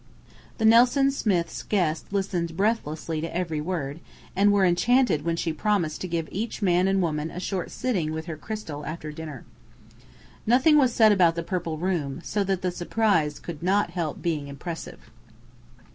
The Nelson Smiths' guests listened breathlessly to every word, and were enchanted when she promised to give each man and woman a short "sitting" with her crystal after dinner. Nothing was said about the purple room, so that the surprise could not help being impressive.